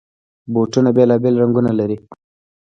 بوټونه بېلابېل رنګونه لري.